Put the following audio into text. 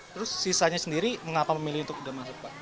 terus sisanya sendiri mengapa memilih untuk udah masuk pak